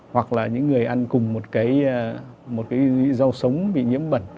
hoặc là những người ăn cùng một cái rau sống bị nhiễm bẩn